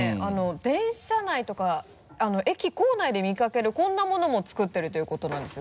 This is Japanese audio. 電車内とか駅構内で見かけるこんなものも作ってるということなんですよ。